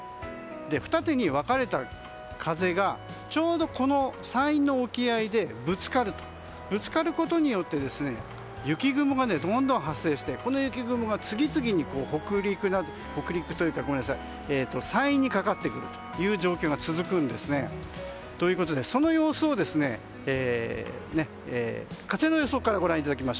二手に分かれた風がちょうど山陰の沖合でぶつかることによって雪雲がどんどん発生してこの雪雲が次々に山陰にかかってくる状況が続くんです。ということで、その様子を風の予想からご覧いただきます。